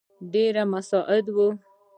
ډېر مساعد وو.